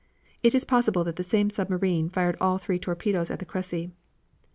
It is possible that the same submarine fired all three torpedoes at the Cressy."